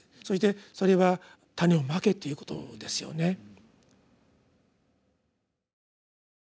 そしてそれは「種を蒔け」ということですよね。